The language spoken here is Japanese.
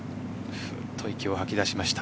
ふうっと息を吐きました。